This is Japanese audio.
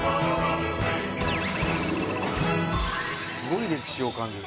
すごい歴史を感じる。